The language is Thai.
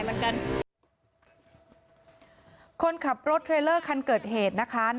เรื่องคันเกิดเกียร์เกิดเหตุการณ์